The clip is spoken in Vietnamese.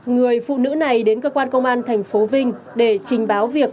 người phụ nữ này đến cơ quan công an thành phố vinh để trình báo việc